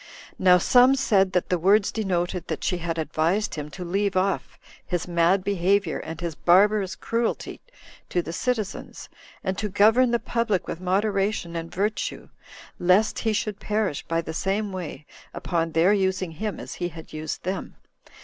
Now some said that the words denoted that she had advised him to leave off his mad behavior and his barbarous cruelty to the citizens, and to govern the public with moderation and virtue, lest he should perish by the same way, upon their using him as he had used them.